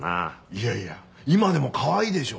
いやいや今でもかわいいでしょ。